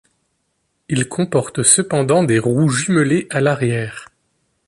Il comporte cependant des roues jumelées à l'arrière.